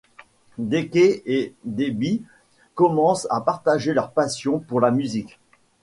Deke et Debbie commencent à partager leur passion pour la musique.